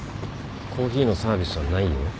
コーヒーのサービスはないよ。